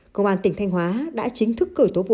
công an tỉnh thanh hóa đã chính thức cởi tố vụ án